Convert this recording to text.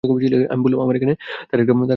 আমি বললুম, আমার এখানে তার একটা কাজ হতে পারে।